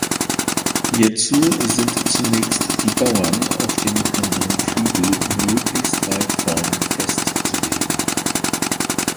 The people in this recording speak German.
Hierzu sind zunächst die Bauern auf dem anderen Flügel möglichst weit vorn festzulegen.